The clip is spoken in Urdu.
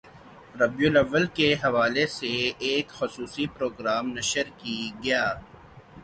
ربیع الاوّل کے حوالے سے ایک خصوصی پروگرام نشر کی گیا